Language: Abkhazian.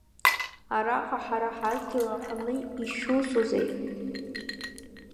Араҟа ҳара ҳадгьыл аҟны ишәусузеи?